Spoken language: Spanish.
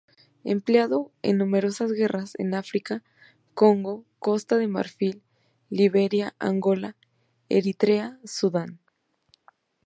Empleado en numerosas guerras en África: Congo, Costa de Marfil, Liberia, Angola, Eritrea, Sudán.